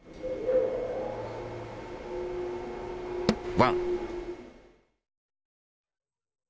ワン。